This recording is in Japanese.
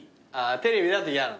テレビだと嫌なの？